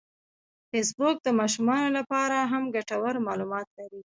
فېسبوک د ماشومانو لپاره هم ګټور معلومات لري